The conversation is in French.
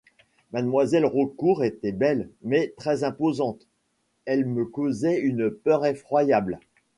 Mademoiselle Raucourt était belle, mais très imposante ; elle me causait une peur effroyable.